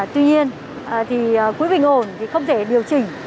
tuy nhiên thì quý vị ngồi thì không thể điều chỉnh